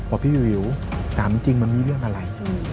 ว่าพี่วิวกลับจากจริงมันมีเรื่องอะไร